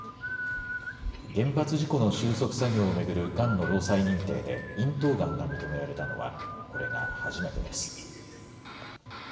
原発事故の収束作業をめぐるがんの労災認定で咽頭がんが認められたのはこれが初めてです。